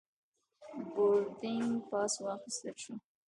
بوردینګ پاس واخیستل شو.